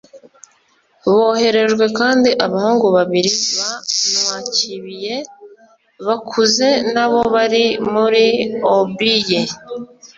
boherejwe, kandi abahungu babiri ba nwakibie bakuze nabo bari muri obi ye